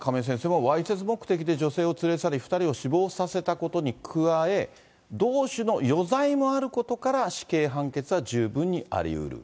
もう、わいせつ目的で女性を連れ去り２人を死亡させたことに加え、同種の余罪もあることから死刑判決は十分にありうる。